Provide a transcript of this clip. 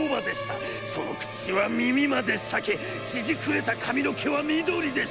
その口は耳までさけ、ちぢくれた髪の毛は緑でした。